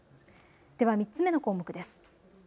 では３つ目の項目です。